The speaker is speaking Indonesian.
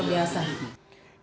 yang sangat luar biasa